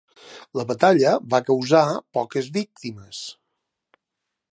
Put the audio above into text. La batalla va causar poques víctimes.